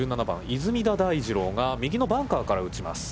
出水田大二郎が右のバンカーから打ちます。